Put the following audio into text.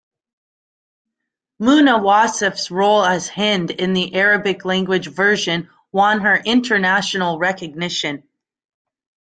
Muna Wassef's role as Hind in the Arabic-language version won her international recognition.